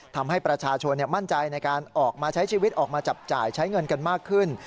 ทำให้ประชาชนมั่นใจในการออกมาใช้ชีวิตออกมาจับจ่ายใช้เงินกันมากขึ้น